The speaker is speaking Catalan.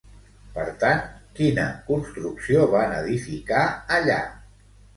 Per tant, quina construcció van edificar allà?